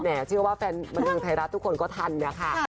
เชื่อว่าแฟนบันเทิงไทยรัฐทุกคนก็ทันนะคะ